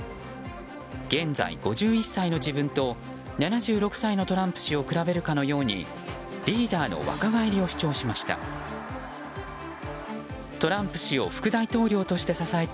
現在５１歳の自分と７６歳のトランプ氏を比べるかのようにリーダーの若返りを主張しました。